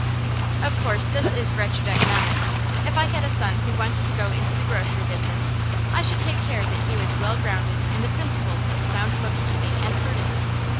Of course this is wretched economics. If I had a son who wanted to go into the grocery business, I should take care that he was well grounded in the principles of sound bookkeeping and prudence.